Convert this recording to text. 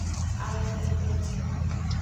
Awoxoxo.